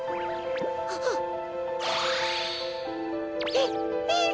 えっえっ！？